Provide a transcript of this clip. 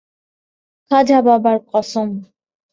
খাজা বাবার কসম।